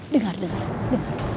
dengar dengar dengar